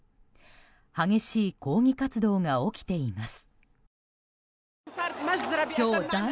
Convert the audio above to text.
激しい抗議活動が起きています。